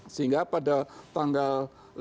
sehingga pada tanggal lima enam tujuh delapan